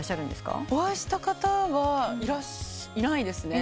お会いした方はいないですね。